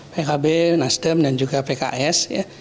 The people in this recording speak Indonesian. pkb nasdem dan juga pks